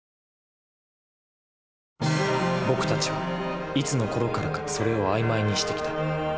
僕たちはいつのころからか「それ」を曖昧にしてきた。